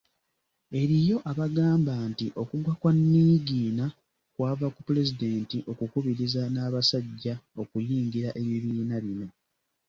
Eriyo abagamba nti okugwa kwa Niigiina kwava ku Pulezidenti okukubiriza n’abasajja okuyingira ebibiina bino.